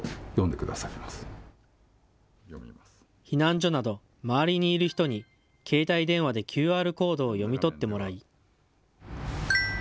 避難所など周りにいる人に携帯電話でＱＲコードを読み取ってもらい。